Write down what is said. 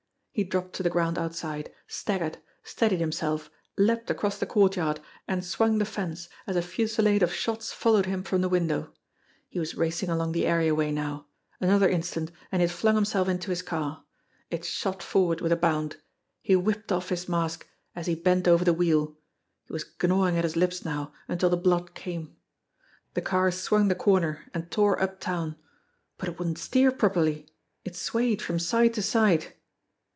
He dropped to the ground outside, staggered, steadied him self, leaped across the courtyard, and swung the fence, as a fusilade of shots followed him from the window. He was racing along the areaway now. Another instant, and he had flung himself into his car. It shot forward with a bound. He whipped off his mask, as he bent over the wheel. He was gnawing at his lips now until the blood came. The car swung the corner and tore uptown. But it wouldn't steer properly. It swayed from side to side.